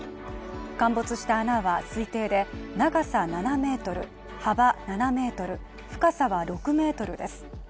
陥没した穴は推定で、長さ７ｍ、幅７ｍ、深さは６ｍです。